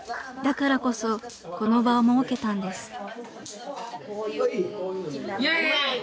［だからこそこの場を設けたんです］